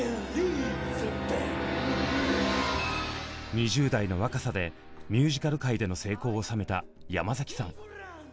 ２０代の若さでミュージカル界での成功を収めた山崎さん。